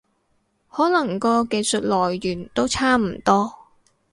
可能個技術來源都差唔多